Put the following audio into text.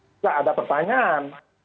tidak ada pertanyaan